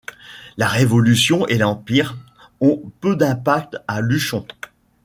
La Révolution et l'Empire ont peu d'impact à Luchon.